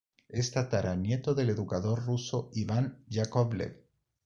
Es tataranieto del educador ruso Iván Yákovlev.